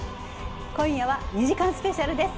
今夜は２時間スペシャルです。